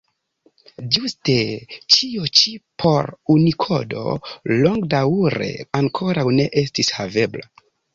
Ĝuste ĉio ĉi por Unikodo longdaŭre ankoraŭ ne estis havebla.